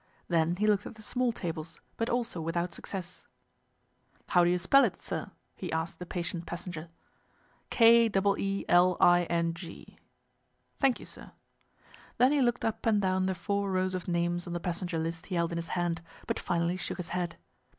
Then he looked at the small tables, but also without success. "How do you spell it, sir?" he asked the patient passenger. "K double e l i n g." "Thank you, sir." Then he looked up and down the four rows of names on the passenger list he held in his hand, but finally shook his head.